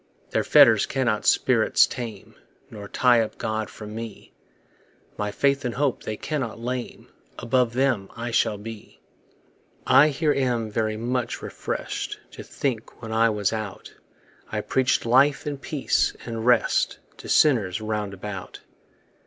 Their fetters cannot spirits tame, Nor tie up God from me; My faith and hope they cannot lame; Above them I shall be. I here am very much refreshed To think, when I was out I preached life and peace and rest To sinners round about.